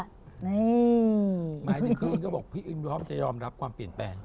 หมายถึงคืนก็บอกพี่อินพร้อมจะยอมรับความเปลี่ยนแปลง